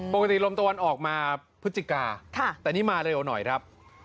ลมตะวันออกมาพฤศจิกาแต่นี่มาเร็วหน่อยครับ